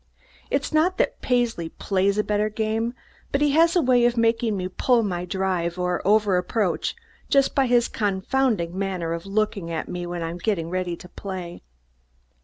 It's not that Paisley plays a better game, but he has a way of making me pull my drive or over approach just by his confounded manner of looking at me when I am getting ready to play.